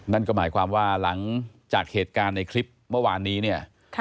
นั่นก็หมายความว่าหลังจากเหตุการณ์ในคลิปเมื่อวานนี้เนี่ย